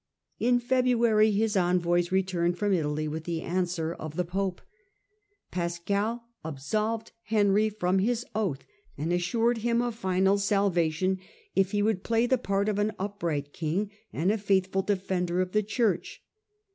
In February his envoys returned from Italy with the answer of the pope. Pascal absolved Henry from It is sane his oath, and assured him of final salvation if S?°po^^ he would play the part of an upright king and a faithful defender of the Church.